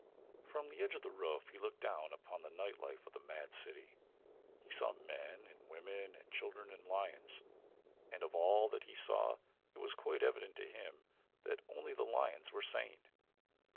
From the edge of the roof he looked down upon the night life of the mad city. He saw men and women and children and lions, and of all that he saw it was quite evident to him that only the lions were sane.